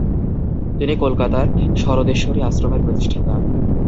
তিনি কলকাতার স্বরদেশ্বরী আশ্রমের প্রতিষ্ঠাতা।